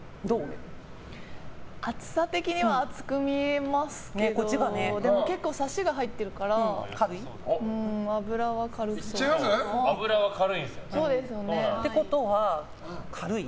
厚さ的には厚く見えますけど結構サシが入ってるからいっちゃいます？ってことは、軽い？